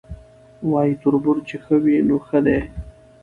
وایي تربور چي ښه وي نو ښه دی